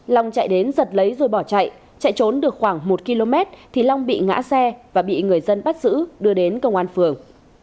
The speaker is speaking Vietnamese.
long chạy đến giật lấy rồi bỏ chạy chạy trốn được khoảng một km thì long bị ngã xe và bị người dân bắt giữ đưa đến công an phường